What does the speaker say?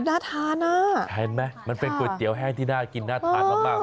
น่าทานอ่ะเห็นไหมมันเป็นก๋วยเตี๋ยวแห้งที่น่ากินน่าทานมาก